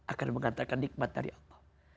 akan mengantarkan nikmat dari allah